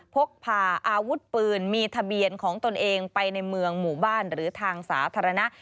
พกพาอาวุธปืนมีทะเบียนของตนเองไปในเมืองหมู่บ้านหรือทางสาธารณะ